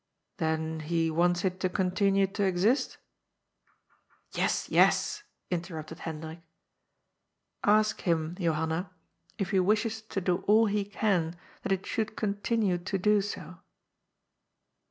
" Then he wants it to continue to exist? "" Yes, yes," interrupted Hendrik. " Ask him, Johanna, if he wishes to do all he can that it should continue to do so